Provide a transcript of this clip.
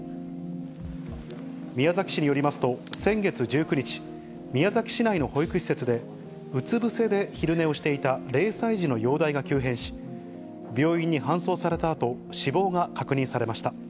宮崎市によりますと、先月１９日、宮崎市内の保育施設でうつ伏せで昼寝をしていた０歳児の容体が急変し、病院に搬送されたあと、死亡が確認されました。